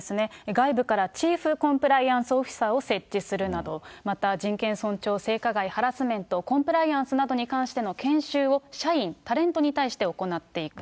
外部からチーフコンプライアンスオフィサーを設置するなど、また人権尊重、性加害、ハラスメント、コンプライアンスなどに関しての研修を社員、タレントに対して行っていく。